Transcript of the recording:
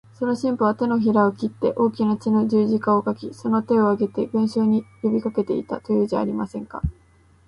その神父は、てのひらを切って大きな血の十字架を書き、その手を上げて、群集に呼びかけていた、というじゃありませんか。